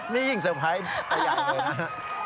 นี่ยิ่งเซอร์ไพรส์ประหยังเลยนะ